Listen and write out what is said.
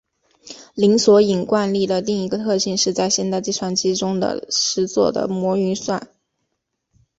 零索引惯例的另一个特性是在现代计算机中实作的模运算。